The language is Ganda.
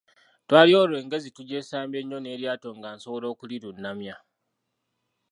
Twali olwo engezi tugyesambye nnyo n'eryato nga nsobola okulirunnamya.